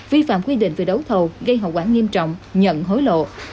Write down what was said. vi phạm quy định về đấu thầu gây hậu quả nghiêm trọng nhận hối lộ